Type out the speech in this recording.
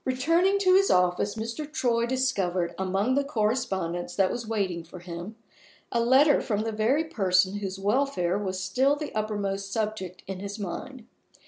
RETURNING to his office, Mr. Troy discovered, among the correspondence that was waiting for him, a letter from the very person whose welfare was still the uppermost subject in his mind.